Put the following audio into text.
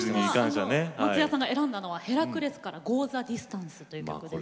そんな松也さんが選んだのは「ヘラクレス」から「ゴー・ザ・ディスタンス」という曲です。